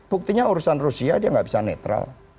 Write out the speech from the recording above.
buktinya urusan rusia dia nggak bisa netral